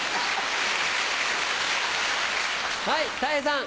はいたい平さん。